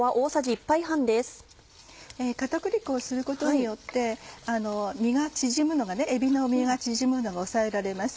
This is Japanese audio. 片栗粉をすることによってえびの身が縮むのが抑えられます。